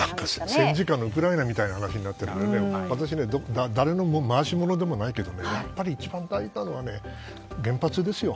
戦時下のウクライナみたいな話になっていますが私ね、誰の回し者でもないけどやっぱり一番大事なのは原発ですよ。